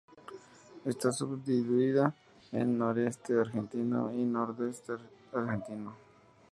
Está subdividida en Noroeste argentino y Nordeste argentino.